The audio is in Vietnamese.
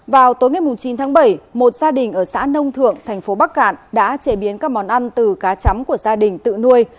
vào tối ngày chín tháng bảy một gia đình ở xã nông thượng thành phố bắc cạn đã chế biến các món ăn từ cá chấm của gia đình tự nuôi